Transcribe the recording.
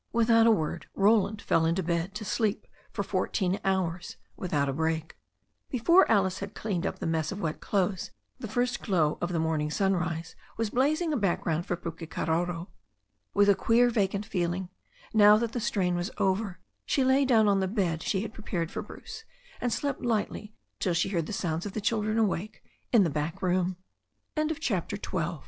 Without a word Roland fell into bed to sleep for four teen hours without a break. Before Alice had cleaned up the mess of wet clothes the first glow of a golden sunrise was blazing a background for THE STORY OF A NEW ZEALAND RIVER 179 Pukekaroro. With a queer, vacant feeling, now that the strain was over, she lay down on the bed she had prepared for Bruce, and slept lightly till she heard the sounds of the children awake^ in